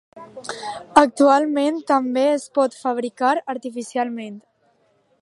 Actualment també es pot fabricar artificialment.